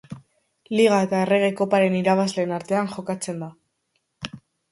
Liga eta Errege Koparen irabazleen artean jokatzen da.